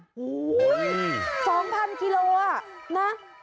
โอ้โฮ๒๐๐๐กิโลกรัมละนะ